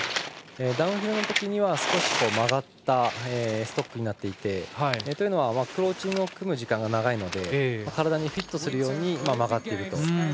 ダウンヒルのときには少し曲がったストックになっていてというのは、アプローチの時間が長いので体にフィットするように曲がっていると。